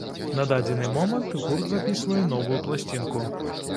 На дадзены момант гурт запісвае новую пласцінку.